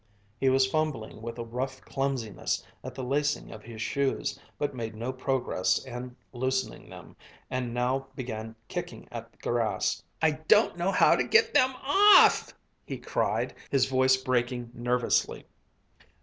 He was fumbling with a rough clumsiness at the lacing of his shoes, but made no progress in loosening them, and now began kicking at the grass. "I don't know how to get them off!" he cried, his voice breaking nervously.